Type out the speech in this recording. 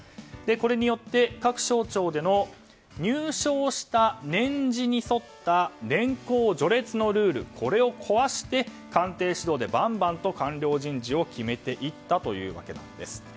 これによって各省庁での入省した年次に沿った年功序列のルールを壊して官邸主導でバンバン官僚人事を決めていったということです。